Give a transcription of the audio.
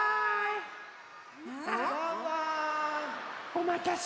おまたせ。